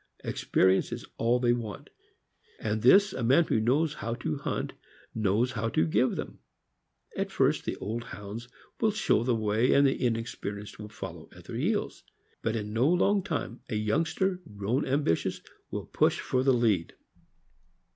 Experience is all they want; and this a man who knows how to hunt knows how to give them. At first, the old Hounds will show the way and the inexperienced will follow at their heels; but in no long time, a youngster, grown ambitious, will push for the lead.